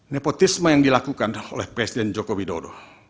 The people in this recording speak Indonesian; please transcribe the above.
nepotisme yang dilakukan oleh presiden joko widodo